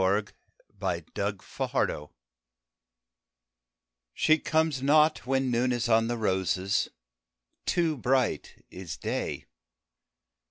Y Z She Comes Not She comes not when Noon is on the roses Too bright is Day.